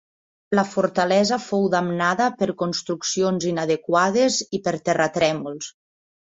La fortalesa fou damnada per construccions inadequades i per terratrèmols.